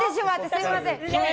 すみません。